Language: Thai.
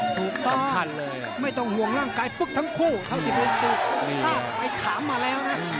ถูกต้อนไม่ต้องห่วงร่างกายปุ๊กทั้งคู่เท่าที่เป็นสิ่งที่ทราบไอ้ถามมาแล้วนะ